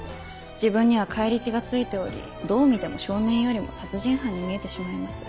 自分には返り血がついておりどう見ても少年よりも殺人犯に見えてしまいます。